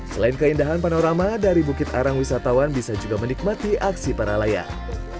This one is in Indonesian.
selain keindahan panorama dari bukit arang wisatawan bisa juga menikmati aksi para layang